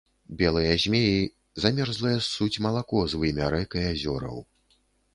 Белыя змеі замерзлае ссуць малако з вымя рэк і азёраў.